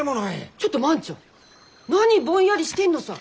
ちょっと万ちゃん何ぼんやりしてんのさ！